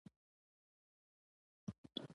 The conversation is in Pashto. د قطر هوا ګرمه خو زړونه تاوده دي.